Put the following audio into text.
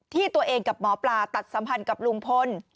ที่ตัวเองกับหมอปลาตัดสัมพันธ์กับลุงพล